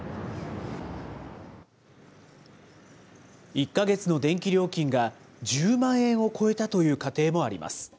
１か月の電気料金が１０万円を超えたという家庭もあります。